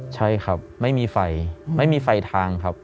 ใช่ครับไม่มีไฟไม่มีไฟทางครับ